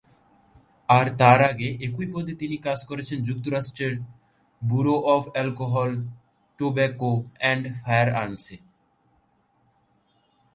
আর তার আগে একই পদে তিনি কাজ করেছেন যুক্তরাষ্ট্রের bureau of alcohol, tobacco and ফায়ারআর্মসে।